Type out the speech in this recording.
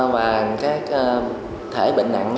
và các thể bệnh nặng